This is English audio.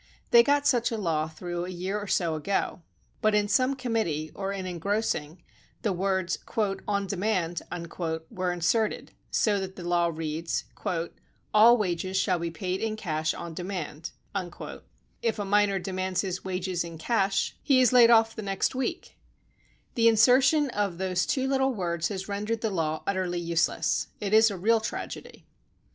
They got such a law through a year or so ago. But in some committee, or in engrossing, the words on demand" were inserted, so that the law reads: All wages shall be paid in cash on demand." If a miner demands his wages in cash, he is Digitized by Google i6 The Green Bag. laid off the next week. The insertion of those two little words has rendered the law utterly useless. It is a real tragedy.